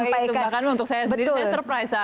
wow itu bahkan untuk saya sendiri saya surprise saat ini